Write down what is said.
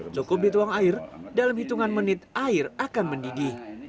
cukup dituang air dalam hitungan menit air akan mendidih